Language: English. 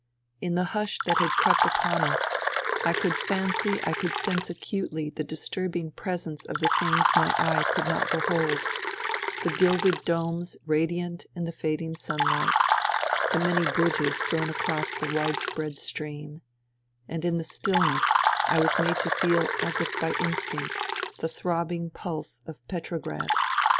In the hush that had crept upon us I could fancy I could sense acutely the disturbing presence of the things my eye could not behold : the gilded domes radiant in the fading sunlight, the many bridges thrown across the widespread stream ; and in the stillness I was made to feel as if by instinct the throbbing pulse of Petro grad.